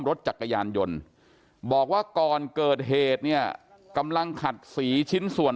รถจักรยานยนต์บอกว่าก่อนเกิดเหตุเนี่ยกำลังขัดสีชิ้นส่วน